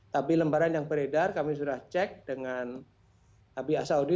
tapi lembaran yang beredar kami sudah cek dengan pihak saudi